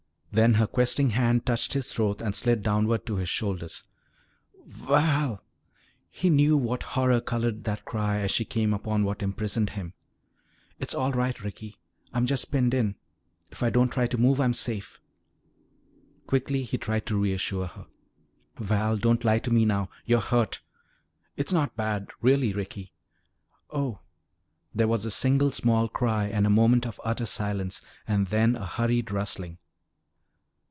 Then her questing hand touched his throat and slid downward to his shoulders. "Val!" He knew what horror colored that cry as she came upon what imprisoned him. "It's all right, Ricky. I'm just pinned in. If I don't try to move I'm safe." Quickly he tried to reassure her. "Val, don't lie to me now you're hurt!" "It's not bad, really, Ricky " "Oh!" There was a single small cry and a moment of utter silence and then a hurried rustling.